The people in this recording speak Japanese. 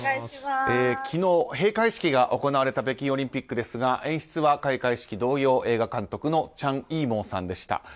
昨日、閉会式が行われた北京オリンピックですが演出は開会式同様、映画監督のチャン・イーモウさんでした。